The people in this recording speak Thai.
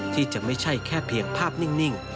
ที่จะไม่ใช่แค่เพียงภาพนิ่ง